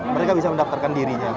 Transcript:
mereka bisa mendaftarkan dirinya